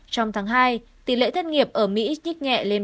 trong tháng hai tỷ lệ thất nghiệp ở mỹ nhít nhẹ lên ba chín